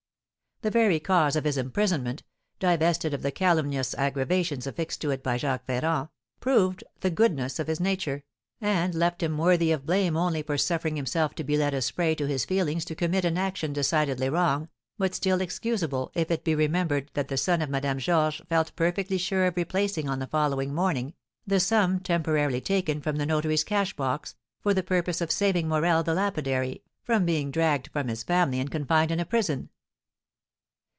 The very cause of his imprisonment (divested of the calumnious aggravations affixed to it by Jacques Ferrand) proved the goodness of his nature, and left him worthy of blame only for suffering himself to be led astray by his feelings to commit an action decidedly wrong, but still excusable if it be remembered that the son of Madame Georges felt perfectly sure of replacing on the following morning the sum temporarily taken from the notary's cash box, for the purpose of saving Morel the lapidary, from being dragged from his family and confined in a prison.